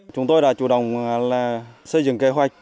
chúng tôi đã chủ động xây dựng kế hoạch